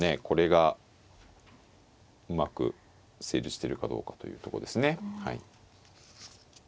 これがうまく成立してるかどうかというとこですね。